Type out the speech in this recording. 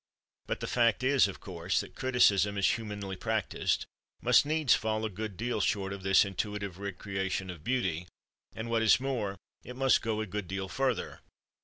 But the fact is, of course, that criticism, as humanly practiced, must needs fall a good deal short of this intuitive recreation of beauty, and what is more, it must go a good deal further.